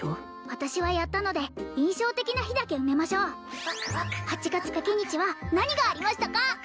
私はやったので印象的な日だけ埋めましょう八月ペケ日は何がありましたか？